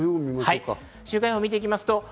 週間予報を見ていきます。